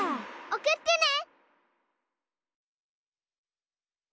おくってね！